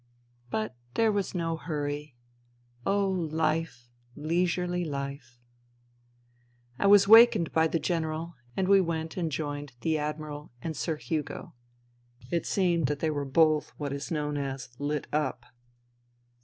But there was no hurry. life ... leisurely life ...!'* I was wakened by the General, and we went and INTERVENING IN SIBERIA 149 joined the Admiral and Sir Hugo. It seemed that they were both what is known as " ht up."